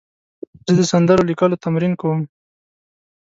زه د سندرو لیکلو تمرین کوم.